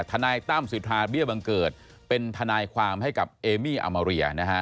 ทนายตั้มสิทธาเบี้ยบังเกิดเป็นทนายความให้กับเอมี่อามาเรียนะฮะ